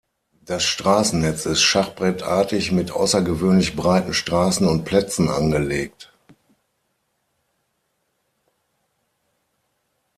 Das Straßennetz ist schachbrettartig mit außergewöhnlich breiten Straßen und Plätzen angelegt.